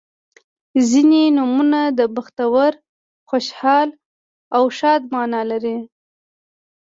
• ځینې نومونه د بختور، خوشحال او ښاد معنا لري.